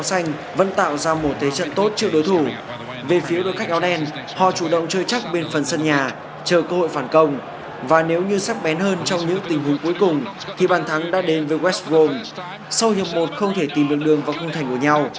sau hiệp một không thể tìm được đường vào khung thành của nhau